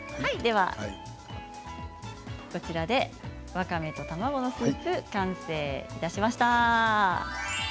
わかめと卵のスープ完成いたしました。